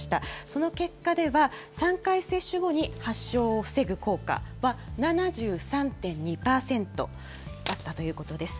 その結果では、３回接種後に発症を防ぐ効果は、７３．２％だったということです。